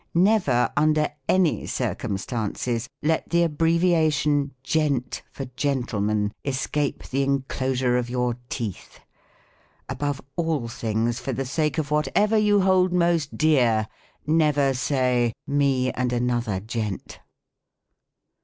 Never, under any circumstances, let the abbrevia tion "gent." for gentleman, escape the enclosure of your teeth. Above all things, for the sake of whatever you hold most dear, never say "me and another gent."